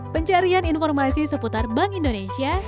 pencarian informasi seputar bank indonesia